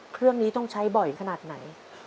เครื่องนี้ต้องใช้บ่อยขนาดไหน